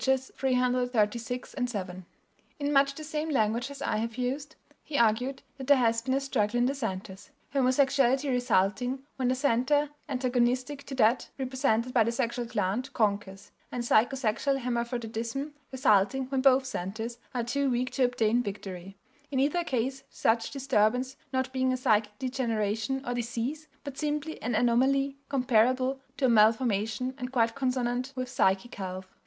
336 7). In much the same language as I have used he argued that there has been a struggle in the centers, homosexuality resulting when the center antagonistic to that represented by the sexual gland conquers, and psycho sexual hermaphroditism resulting when both centers are too weak to obtain victory, in either case such disturbance not being a psychic degeneration or disease, but simply an anomaly comparable to a malformation and quite consonant with psychic health.